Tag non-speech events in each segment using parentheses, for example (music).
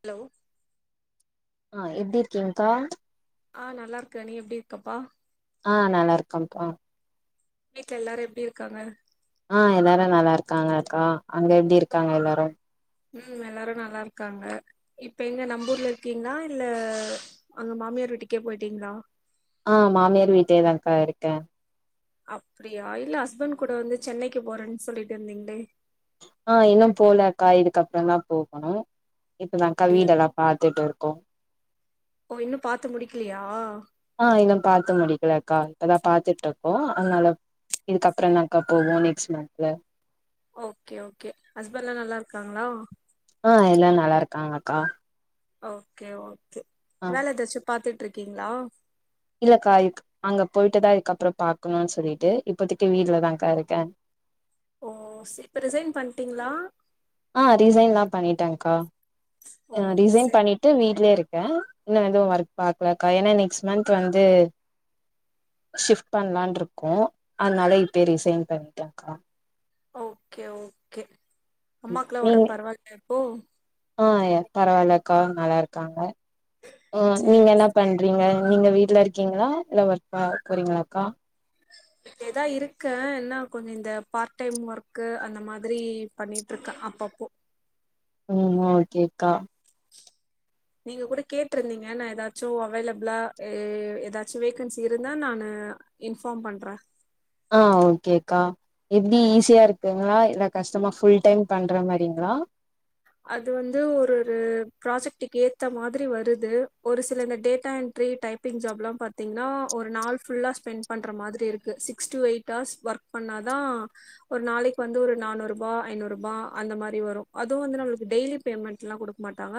hello ஆ எப்டி இருக்கீங்கா ஆ நல்லா இருக்க நீ எப்டி இருக்கப்பா ஆ நல்லா இருக்கன்ப்பா வீட்ல எல்லாரு எப்டி இருக்காங்க ஆ எல்லாரு நல்லா இருக்காங்கக்கா அங்க எப்டி இருக்காங்க எல்லாரு ம் எல்லாரு நல்லா இருக்காங்க இப்ப எங்க நம்பூர்ல இருக்கீங்ளா இல்ல அங்க மாமியார் வீட்டுக்கே போய்ட்டீங்ளா ஆ மாமியார் வீட்டேதாக்கா இருக்க அப்டியா இல்ல ஹஸ்பண்ட் கூட வந்து சென்னைக்கு போறேன்னு சொல்லிட்டு இருந்தீங்ளே ஆ இன்னு போலக்கா இதுக்கப்புறோதா போகணு இப்பதாக்க அப்டியா வீடு எல்லா பாத்துட்டு இருக்கோ ஓ இன்னு பாத்து முடிக்கலியா ஆஹ் இன்னு பாத்து முடிக்கலக்கா இப்போதா பாத்துட்ருக்கோ அதுனால இதுக்கபுற தாக்கா போவோ நெக்ஸ்ட் மன்த்ல ஓகே ஓகே ஹஸ்பண்ட்லா நல்லாருக்காங்ளா ஆஹ் எல்லாரு நல்லாருக்காங்க க்கா ஓகே ஓகே வேல எதாச்சும் பாத்துட் ட்ரிக்கீங்ளா இல்லக்கா இப் அங்க போய்ட்டுதா இதுக்கப்புறம் பாக்கணு சொல்லிட்டு இப்போதைக்கு வீட்லதான்கா இருக்க ஓ செர் இப்ப ரிசைன் பண்ட்டீங்களா ஆஹ் ரிசைன்லா பண்ணிட்டக்கா ஓ அஹ் ரிசைன் சரி பண்ணிட்டு வீட்லயே இருக்க கே இன்னு எதுவு ஒர்க் பாக்கலக்கா ஏன்னா நெக்ஸ்ட் மன்த் வந்து ஷிப்ட் பண்ணலான்ட்ருக்கோ அத்னால இப்பயே ரிசைன் பண்ணிட்டேன்க்கா ஓகே ஓகே அம்மாக்குல்லா ஒடம்பு பரவால்லயா ஓஹ் ஆஹ் ய பரவால்லக்கா நல்லாருக்காங்க உம் நீங்க சேரி என்ன சேரி பண்றீங்க நீங்க வீட்ல இருக்கீங்களா இல்ல ஒர்க் பா போறீங்களாக்கா எதா இருக்கேன் என்னா கொஞ்ச இந்த பார்ட் டைம் ஒர்க்கு அந்த மாதிரி பண்ணிட்டு ருக்கேன் அப்பப்போ உம் ஓகேக்கா நீங்க கூட கேட்ருந்தீங்க நா எதாச்சும் அவைலபுளா எ எதாச்சு வேக்கன்சி இருந்தா நானு இன்பார்ம் பண்ற ஆ ஓகேக்கா எப்டி ஈஸியா இருக்குங்ளா இல்ல கஷ்டமா ஃபுல் டைம் பண்ற மாரிங்களா அது வந்து ஒரொரு ப்ராஜெக்ட்டுக்கு ஏத்த மாதிரி வருது ஒரு சில இந்த டேட்டா என்ட்ரி டைப்பிங் ஜாப்லா பாத்திங்னா ஒரு நாள் ஃபுல்லா ஸ்பெண்ட் பண்ற மாதிரி இருக்கு six to eight hours work பண்ணாதா ஒரு நாளைக்கு வந்து ஒரு நானூறுபா ஐநூறுபா அந்த மாரி வரு அது வந்து நம்மளுக் டெய்லி பேமெண்ட்லா குடுக்க மாட்டாங்க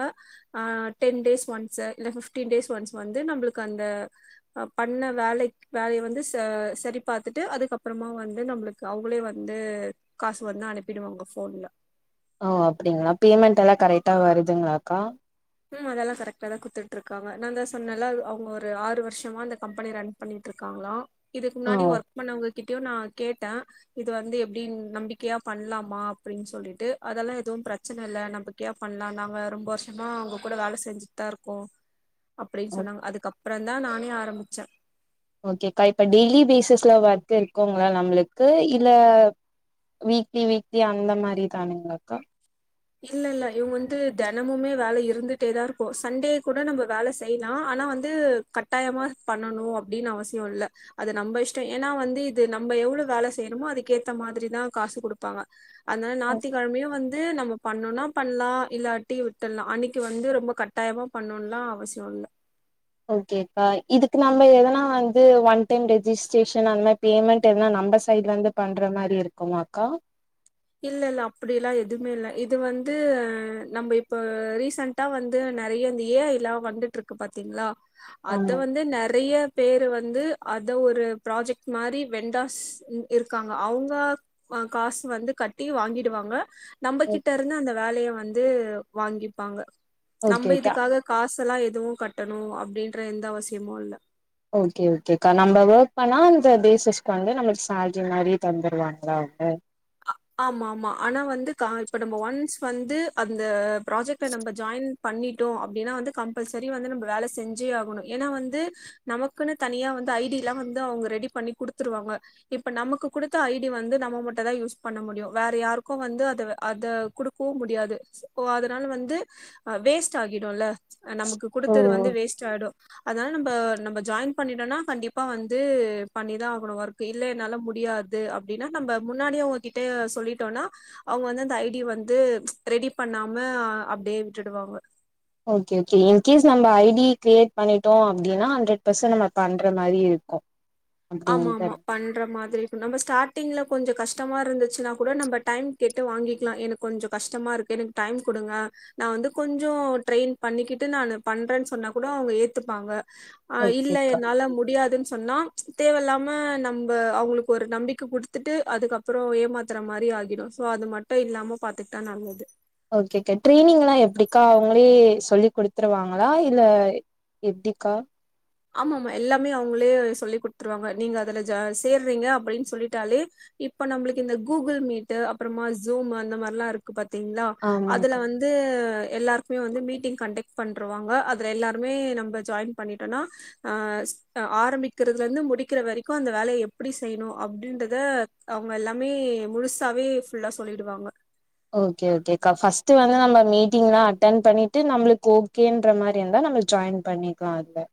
ஆ டென் டேஸ் ஒன்ஸு இல்ல ஃபிஃப்டீன் டேஸ் ஒன்ஸ் வந்து நம்ளுக்கு அந்த பண்ண வேலைக் வேலைய வந்து ச சரி பாத்துட்டு அதுக்கப்புறமா வந்து நம்ளுக்கு அவங்களே வந்து காசு வந்து அனுப்பிடுவாங்க ஃபோன்ல ஓ அப்டிங்ளா பேமெண்டெல்லா கரெக்ட்டா வருதுங்ளாக்கா ம் அதெல்லா கரெக்டா தா குத்துட்ருக்காங்க நாந்தா சொன்னல்ல அவங்க ஒரு ஆறு வருஷமா இந்த கம்பெனி ரன் பண்ணிட்ருக்காங்களா இதுக்கு முன்னாடி ஒர்க் பண்ணவங்க கிட்டயு நா கேட்ட இது வந்து எப்டி நம்பிக்கையா பண்லாமா அப்டின்னு சொல்லிட்டு அதெல்லா எதுவு பிரச்சன இல்லை நம்பிக்கையா பண்லானாங்க ரொம்ப வருஷமா அவுங்க கூட வேல செஞ்சிட்தா இருக்கோ அப்டின்னு ஆ சொன்னாங்க அதுக்கப் பறந்தா நானே ஆரம்பிச்சே ஓகேக்கா இப்ப டெய்லி பேசிஸ்ல ஒர்க் இருக்குங்ளா நம்மளுக்கு இல்ல வீக்லி வீக்லி அந்த மாரி தானுங்ளாக்கா இல்லல்ல இவங்க வந்து தெனமுமே வேல இருந்துட்டேதாருக்கு சண்டே கூட நம்ப வேல செய்லா ஆனா வந்து கட்டாயமா பண்ணணு அப்டின்னு அவசிய இல்ல அது நம்ப இஷ்ட ஏன்னா வந்து இது நம்ம எவ்ளோ வேல செய்றமோ அதுக்கேத்த மாதிரிதா காசு குடுப்பாங்க அதுனால நாத்திக்கெழமயு வந் து நம்ம பண்ணுன்னா பண்லா இல்லாட்டி விட்டல்லா அன்னிக்கு வந்து ரொம்ப கட்டாயமா பண்ணுன்லா அவசிய இல்ல ஓகேக்கா இதுக்கு நம்ம எதனா வந்து ஒன் டைம் ரெஜிஸ்ட்ரேஷன் அந்த மாரி பேமெண்ட் எதனா நம்ப சைட்லந்து பண்ற மாரி இருக்குமாக்கா இல்லல்ல அப்பிடில்லா எதுமே இல்ல இது வந்து நம்ம இப்ப ரீசன்ட்டா வந்து நெறைய இந்த ஏ ஐ லா வந்துட்ருக்கு பாத்திங்ளா அத ஆமா வந்து நெறைய பேரு வந்து அத ஒரு ப்ராஜெக்ட் மாரி வெண்டாஸ் இருக்காங்க அவுங்க காசு வந்து கட்டி வாங்கிடுவாங்க நம்மகிட்ட இருந்து அந்த வேலைய வந் து வாங்கிப்பாங்க நம்ப ஓகே ஓகே இதுக்காக காசெல்லா எதுவு கட்ட னு அப்டின்ற எந்த அவசியமு இல்ல ஓகே ஓகேக்கா நம்ப ஒர்க் பண்ணா அந்த பேசிஸ்க்கு வந்து நம்மளுக்கு சேல்ரி மாரி தந்துருவாங்களா அவுங்க ஆ ஆமா ஆமா ஆனா வந்து கா இப்ப நம்ம ஒன்ஸ் வந்து அந்த பிராஜெக்ட்ல நம்ம ஜாயின் பண்ணிட்டோ அப்டின்னா வந்து கம்பல்சரி வந்து நம்ப வேலை செஞ்சே ஆகணு ஏன்னா வந்து நமக்குன்னு தனியா வந்து ஐடில்லா வந்து அவுங்க ரெடி பண்ணி குடுத்துருவாங்க இப்ப நமக்கு குடுத்த ஐடி வந்து நம்ம மட்டுந்தா யூஸ் பண்ண முடியு வேற யாருக்கு வந்து அத அத குடுக்கவு முடியாது இப்போ அதனால வந்து வேஸ்ட் ஆகிடுல்ல ஆ நமக்கு ஓ குடுத்தது வந்து வேஸ்ட் ஆயிடு அதனால நம்ப நம்ப ஜாயின் பண்ணிடோன்னா கண்டிப்பா வந்து பண்ணிதா ஆகணு ஒர்க் இல்ல என்னால முடியாது அப்டின்னா நம்ப முன்னாடியே அவுங்க கிட்ட சொல்லிட்டோன்னா அவுங்க வந்து அந்த ஐடி வந்து ரெடி பண்ணாம அப்டியே விட்டுடுவாங்க ஓகே ஓகே இன்கேஸ் நம்ம ஐடி கிரியேட் பண்ணிட்டோ அப்டின்னா ஹண்டர்ட் பர்சன்ட் நம்ம பண்ற மாரி இருக்கு ஆமா அப்டின்ட்டு ஆமா பண்ற மாதிரி இருக்கு நம்ம ஸ்டார்ட்டிங்ல கொஞ்சோ கஷ் டமா இருந்துச்சின்னா கூட நம்ம டைம் கேட்டு வாங்கிக்கலா எனக்கு கொஞ்சோ கஷ்டமா இருக்கு எனக்கு டைம் குடுங்க நா வந்து கொஞ்சோ ட்ரெயின் பண்ணிக்கிட்டு நானு பண்றேன்னு சொன்னா கூட அவுங்க ஏத்துப்பாங்க ஆ இல்ல ஓகேக்கா என்னால முடியாதுன் சொன்னா தேவல்லாம நம்ப அவுங்ளுக்கு ஒரு நம்பிக்க குடுத்துட்டு அதுக்கப்புற ஏமாத்துற மாரி ஆகிடும் சோ அது மட்டு இல்லாம பாத்துக்குட்டா நல்லது ஓகே கே ட்ரெய்னிங்லாம் எப்டிக்கா அவங்களே சொல்லி குடுத்துருவாங்களா இல்ல எப்டிக்கா ஆமா ஆமா எல்லாமே அவங்களே சொல்லி் குட்த்துருவாங்க நீங்க அதுல சேர்றீங்க அப்டின்னு சொல்லிட்டாலே இப்ப நம்மளுக்கு இந்த கூகுள் மீட் அப்புறமா ஜூம் அந்த மார்லா இருக்கு பாத் திங்ளா அதுல ஆமாங்க்கா வந்து எல்லார்க்குமே வந்து மீட்டிங் கண்டெக்ட் பண்ருவாங்க அதில எல்லாருமே நம்ப ஜாயின் பண்ணிட்டோனா ஆ ஆரம்பிக்கிறதுல இருந்து முடிக்கிற வரைக்கும் அந்த வேலய எப்டி செய்ணு அப்டின்றத அவ்ங்க எல்லாமே முழுசாவே ஃபுல்லா சொல்லிடுவாங்க ஓகே ஓகே கா ஃபஸ்ட் வந்து நம்ம மீட்டிங்லா அட்டன் பண்ணிட்டு நம்மளுக்கு ஓகேன்ற மாரி இருந்தா நம்ம ஜாயின் பண்ணிக்கலா அதுல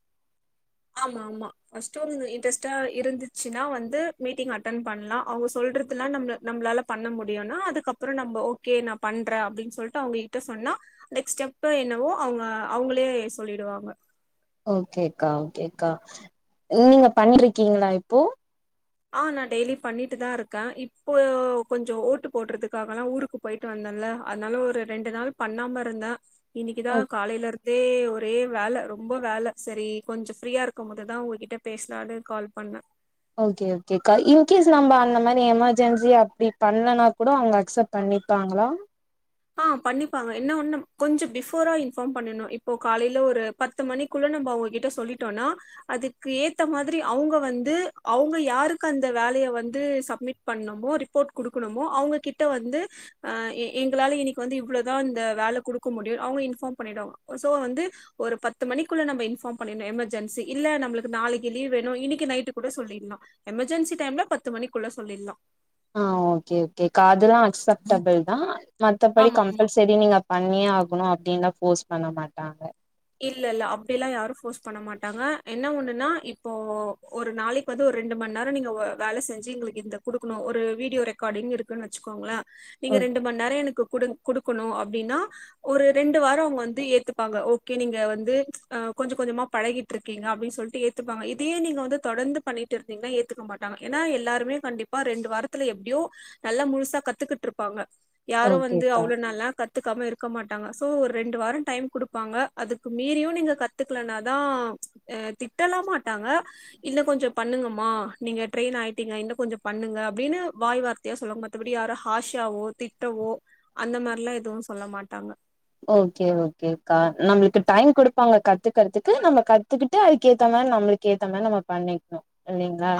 ஆமா ஆமா ஃபர்ஸ்ட் இன்ட்ரெஸ்ட்டா இருந்துச்சுன்னா வந்து மீட்டிங் அட்டென் பண்லா அவங்க சொல்றதுலா நம்ப நம்ப்ளால பண்ண முடியும்னா அதுக்கப்புறம் நம்ம ஓகே நா பண்றே அப்டின்னு சொல்லிட்டு அவங்ககிட்ட சொன்னா நெக்ஸ்ட் ஸ்டெப் என்னவோ அவுங்க அவ்ங்ளே சொல்லிடுவாங்க ஓகேக்கா ஓகேக்கா நீங்க பண்ருக்கீங்ளா போ ஆ நா டெய்லி பண்ணிட்டு தா இருக்க இப்போ கொஞ்ச ஓட்டு போடுறதுக்காகலா ஊருக்கு போயிட்டு வந்தேன்ல அதனால ஒரு ரெண்டு நாள் பண்ணாம இருந்த இன்னிக்குதா ஓ காலைலருந் தே ஒரே வேல ரொம்ப வேல சரி கொஞ்சம் ஃப்ரீயா இருக்கு போதுதா உங்ககிட்ட பேசலானு கால் பண்ண ஓகே ஓகே கா இன்கேஸ் நம்ப அந்தமாரி எமர்ஜென்சி அப்படி பண்லனா கூட அவங்க அக்செப்ட் பண்ணிப்பாங்களா ஆ பண்ணிப்பாங்க என்ன ஒன்னு கொஞ்ச பிபோரா இன்ஃபார்ம் பண்ணனு இப்போ காலைல ஒரு பத்து மணிக்குள்ள நம்ம அவங்ககிட்ட சொல்லிட்டோனா அதுக்கு ஏத்த மாதிரி அவங்க வந்து அவங்க யாருக்கு அந்த வேலைய வந்து சப்மிட் பண்ணமோ ரிப்போர்ட் குடுக்கணுமோ அவங்ககிட்ட வந்து எ குளால இன்னிக்கு வந்து இவ்ளோதா இந்த வேல குடுக்க முடியு அவ்ங்க இன்ஃபார்ம் பண்ணிடுவாங்க சோ வந்து ஒரு பத்து மணிக்குள்ள நம்ம இன்பார்ம் பண்ணிடனும் எமர்ஜென்சி இல்ல நம்மளுக்கு நாளைக்கு லீவ் வேணும் இன்னைக்கு நைட் கூட சொல்லிடலா எமர்ஜென்சி டைம்ல பத்து மணிக்குள்ள சொல்லிடலா ஆ ஓகே ஓகேகா அதுலா அக்சப்டபுள் தா மத்தபடி ஆமா ஆமா கம்ப்பல்சரி நீங்க பண்ணியே ஆக் கணு அப்டின்லா போர்ஸ் பண்ண மாட்டாங்க இல்ல இல்ல அப்டியெல்லா யாரு போர்ஸ் பண்ண மாட்டாங்க என்ன ஒன்னு நா இப்போ ஒரு நாளைக் வந்து ஒரு ரெண்டு மணி நேரம் நீங்க வேலை செஞ்சு எங்களுக்கு இந்த குடுக்ணு ஒரு வீடியோ ரெக்கார்டிங் இருக்குன் வச்சுக்கோங்கள நீங்க ரெண்டு மண் நேர எனக்கு குடுங் குடுக்குணு அப்டின்னா ஒரு ரெண்டு வாரோ அவுங் வந்து ஏத்துப்பாங்க ஒ கே நீங்க வந்து அ கொஞ்ச கொஞ்சமா பழகிட்ருக்கீங்க அப்டின்னு சொல்லிட்டு ஏத்துப்பாங்க இதையே நீங்க வந்து தொடர்ந்து பண்ணிட்டு இருந்தீங்கன்னா ஏத்துக்க மாட்டாங்க ஏன்னா எல்லாருமே கண்டிப்பா ரெண்டு வாரத்துல எப்டியோ நல்லா முழுசா கத்துக்கிட்டு இருப்பாங்க யாரு வந்து ஓகேக்கா அவ்ளோ நால்லா கத் துக்காம இருக்க மாட்டாங்க சோ ஒரு ரெண்டு வாரோ டைம் குடுப்பாங்க அதுக்கு மீறியு நீங்க கத்துக்கலனாதா அ திட்டலா மாட்டாங்க இன்ன கொஞ்சோ பண்ணுங்கம்மா நீங்க ட்ரெயின் ஆயிட்டீங்க இன்னும் கொஞ்சம் பண்ணுங்க அப்படின்னு வாய் வார்த்தையா சொல்லுங்க மத்தபடி யாரோ ஹாஷாவோ திட்டவோ அந்த மாரிலா எதுவு சொல்ல மாட்டாங்க ஓகே ஓகேக்கா நம்ளுக்கு டைம் குடுப்பாங்க கத்துக்கறதுக்கு நம்ம கத்துக்கிட்டு அதுக்கேத்த மாரி நம்ளுக்கு ஏத்த மாரி நம்ம பண்ணிக்னு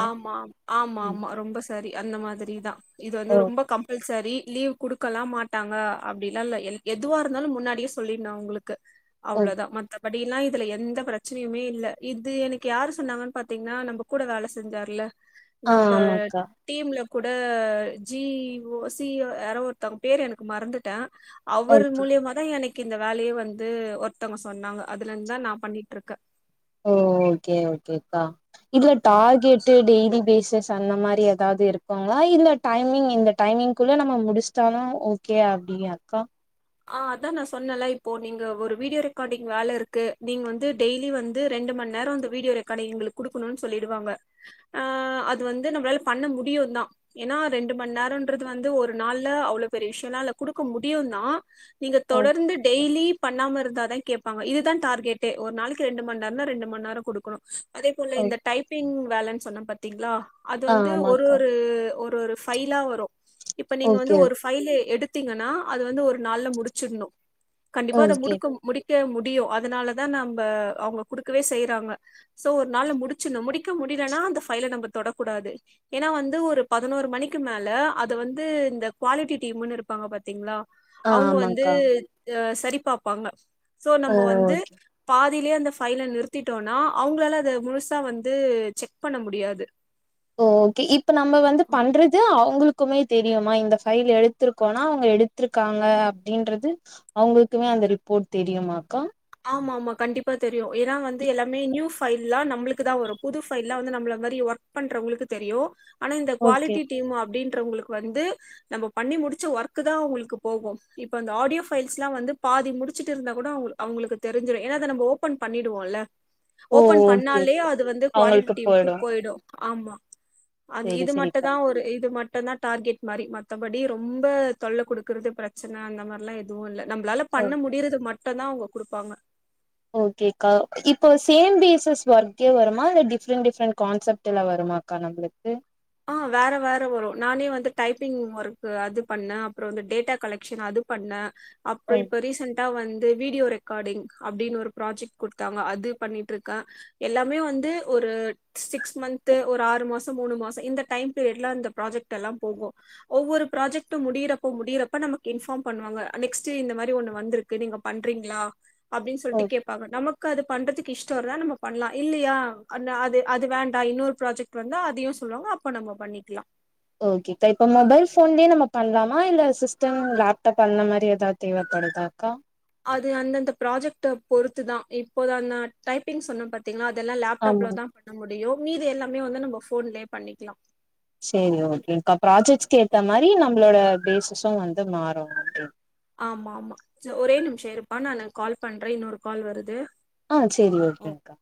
ஆமா ஆமாமா ரொம்ப சரி அந்த மாதுரி தா இது வந்து ஓ ரொம்ப கம்ப்புல் சரி லீவ் குடுக்கலா மாட்டாங்க அப்டிலா இல்ல எத் எதுவா இருந்தாலு முன்னடியே சொல்லிட்னு அவுங்ளுக் கு ஓ அவ்ளோதா மத்த பட் இன்னா இதுல எந்த ப்ரச்சனயுமே இல்ல இது எனக்கு யாரு சொன்னாங்கன்னு பாத்தீங்கன்னா நம்ம கூட வேல செய் து தெர்ல ஆ நம்ப ஆமாக்கா டீம்ல கூட ஜிஓ சி யாரோ ஒர்த்தவ்ங்க பேர் எனக்கு மறந்துட்ட அவர் ஓகே மூலியமா தான் எனக்கு இந்த வேலையே வந்து ஒருத்தவங்க சொன்னாங்க அதுல இருந்து தான் நான் பண்ணிட்டு இருக்கேன் ஓ ஓகே ஓகேக்கா இதுல ஆமா டார்கெட் டெய்லி பேசஸ் அந்த மாதிரி ஏதாவது இருக்கோங்களா இந்த டைமிங் இந்த டைமிங் குள்ள நம்ம முடிச்சிட்டாலும் ஓகே அப்டியாக்கா ஆஹ் அதான் நான் சொன்னல இப்போ நீங்க ஒரு வீடியோ ரெக்கார்டிங் வேலை இருக்கு நீங்க வந்து டெய்லி வந்து ரெண்டு மணி நேரம் அந்த வீடியோ ரெக்கார்டிங் எங்களுக்கு குடுக்கணும்னு சொல்லிடுவாங்க ஆஹ் அது வந்து நம்மளால பண்ண முடியும் தான் ஏன்னா ரெண்டு மணி நேரம்ன்றது வந்து ஒரு நாள்ல அவ்வளவு பெரிய விஷயம் எல்லாம் இல்ல குடுக்க முடியும் தான் நீங்க ஓ தொடர்ந்து டெய்லி பண்ணாம இருந்தா கேடப்பாங்க இதுதான் டார்கெடே ஒரு நாளைக்குெண்டு மணி நேம் ரெண்டு மணி நேரம் கொடுணும் அதே போல ஓ இந்த டைப்பிங் வேலன்ஸ் சொன்ன பத்த இங்களா அது ஆ வந்து ஒரு ஆமாக்கா ஒரு ஒரு ஒரு ஃபைலா வரும் இப்ப நீங்க வந்து ஓகே ஒரு பபைல் எடுத்து த்தீங்கன்னா அது வந்து ஒரு நாளல முடிச்சிடணும் கண்டிப்பா அத ஓகே முடிக்க முடிக்க முடிக்க முடியும் அதனாலதான் நம்ம அவங்க குடுக்கவே செய்யறாங்க சோ ஒரு நாாள முடிச்சுணும் முடிக்க முடியலனா அந்த ஃபைலை நம்ம தொடக்கூடாது ஏன்னா வந்து ஒரு பதினோரு மணிக்கு மேல அது வந்து இந்த குவாலிட்டி டீம்ன்னு இருப்பாங்க பாத்தீங்களா ஆ அவங்க வந்து ஆமாக்கா சரி பாார்பாங்க சோ நம்ம ஓ வந்து பாதி பாதிலயே அந்த பைஃல நிறுத்திட்டோம்னா அவங்களால அத முழுசா வந்து செக் பண்ண முடியாது ஓகே இப்ப நம்ம வந்து பண்றது அவங்களுக்கு க்குமே தெரியுமா இந்த பைல் எடுத்திருக்கோனா அவங்க எடுத்திருக்காங்க அப்படின்றது அவங்களுக்குமே அந்த ரிப்போர்ட் தெரியுமா அக்கா ஆமா ஆமா கண்டிப்பா தெரி தெரியும் ஏன்னா வந்து எல்லாமே நியூ பைல்லாம் நம்மளுக்கு தான் வரும் புது பைல்ல வந்து நம்ம மாதிரி ஒர்க் பண்றவங்களுக்கு தெரியும் ஆனா இந்த ஓகே குவாலிட்டி டீம் அப்படின்னு மற்றவங்களுக்குவந்து நம்ம பண்ணி முடிச்ச ஒர்க் தான் உங்களுக்கு போகும் இப்ப அந்த ஆடியோ பைல்ஸ்ல்லாம் வந்து பாதி முடிச்சிட்டு இருந்தா கூட அவங்க அவங்களுக்கு தெரிஞ்சிடும் ஏன்ன அத நம ஓபன் பண்ணிடுவோல்ல ஓ ஓபன் ஓகே பண்ணாலே ஓகே அது வந்து குவாலிட்டி அவங்களுக்கு டீமுக்கு போயிடு போயிடும் ஆமா அது செரி இது மட்டு செரிக்கா தான் ஒரு இது மட்டு மட்டும்தான் டார்கெட் மாதிரி மத்தபடி ரொம்ப தொல்லை கொடுக்கிறது பிரச்சனை அந்த மாதிரிலாம் எதுவும் இல்லா நம்மளால பண்ண ம் முடியுறது மட்டு (unintelligible) கொடுப்பாங்க ஓகேக்கா இப்போ சேம் பேசஸ் ஒர்க்கே வருமா இல்ல டிஃப்ரெண்ட் டிஃப்ரெண்ட் கான்செப்ட்ல வருமாக்கா நம்மளுக்கு ஆஹ் வேற வேற வரும் நானே வந்து டைப்பிங் ஒர்க்கு அது பண்ண அப்புறோ டேட்டா கலெக்ஷன் அது பண்ண அப்புறோ ம் இப்ப ரீசண்ட்டா வந்து வீடியோ ரெக்கார்டிங் அப்புடின்னு ஒரு பராஜக்ட் கொடுத்தாங்க அது பண்ணிட்ருக்க எல்லாமே வந்து ஒரு சிக்ஸ் மந்த ஒரு ஆறு மாச மூணு மாச இந்த டைம் பீரியடுல அந்த ப்ராஜெக்ட் எல்லா போகு ஒவ்வொரு ப்ராஜெக்ட் முடியிறப்ப முடியறப்ப நமக்கு இன்ஃபார்ம் பண்ணுவாங்க நெக்ஸ்ட்டு இந்த மாரி ஒண்ணு வந்திருக்கு நீங்க பண்றீங்களா அப்டின்னு சொல்ட்டு ம் கேப்பாங்க நமக்கு அது பண்றதுக்கு இஷ்ட இருந்தா நம்ம பண்ணலா இல்லையா அந்த அது அது வேண்டா இன்னொரு ப்ராஜெக்ட் வந்தா அத யூஸ் சொல்லுவாங்க அப்ப நம்ம பண்ணிக்கலா ஓகேக்கா இப்ப மொபைல் போன்லயே நம்ம பண்ணலாமா இல்ல சிஸ்டம் லேப்டாப் அந்த மாரி ஏதாவது தேவைப்படுதாக்கா அது அந்தந்த ப்ராஜெக்ட்ட பொறுத்து தா இப்போ அந்த டைப்பிங் சொன்ன பாத்தீங்களா எல்லா ஆமா லேப்டாப்லதா பண்ண முடியு அய்யோ மீது எல்லாமே வந்து நம்ம போன்லயே பண்ணிக்கலா சரி ஓகேகா ப்ராஜெக்ட்ஸ் ஏத்த மாதரி நம்மளோட பேசிஸும் வந்து மாறு அப்டி ஆமா ஆமா ஒரே நிமிஷ இருப்பா நா கால் பண்றே இன்னொரு கால் வருது ஆஹ் சரி ஆ ஓகேக்கா